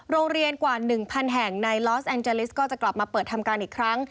โรงเรียนกว่า๑๐๐แห่งในลอสแอนเจลิสก็จะกลับมาเปิดทำการอีกครั้ง